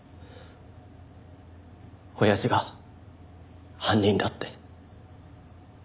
親父が犯人だって。